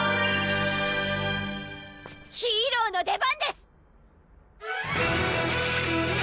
ヒーローの出番です！